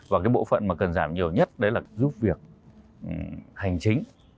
và cái bộ phận mà cần giảm nhiều nhất đấy là giúp việc hành chính